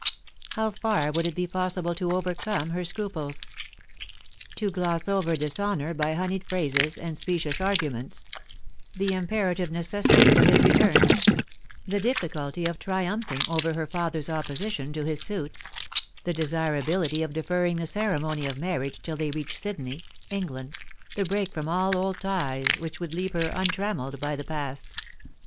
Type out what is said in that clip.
How far would it be possible to overcome her scraples — to gloss over dishonour by honeyed phrases and specious arguments — the imperative necessity for his return; the difficulty of triumphing over her father's opposition to his suit ; the desirability of deferring the ceremony of marriage till they reached Sydney — England — the break from all old ties which would leave her untrammelled by the past